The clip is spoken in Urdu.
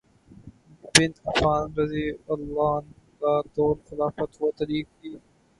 بن عفان رضی اللہ عنہ کا دور خلافت وہ تاریخی